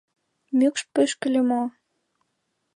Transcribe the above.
Мӱкш пӱшкыльӧ мо?